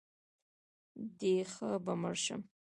د یخه به مړ شم!